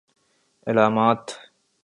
علامات